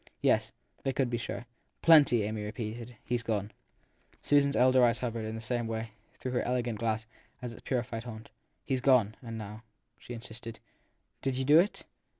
Yes, they could be sure. Plenty ! Amy repeated. He s gone. THE THIKD PEBSON 277 Susan s elder eyes hovered, in the same way, through her elegant glass, at his purified haunt. He s gone. And how, she insisted, i did you do it